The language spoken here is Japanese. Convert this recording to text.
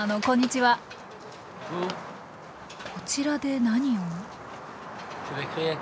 こちらで何を？